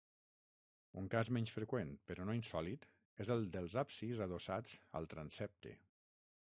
Un cas menys freqüent però no insòlit és el dels absis adossats al transsepte.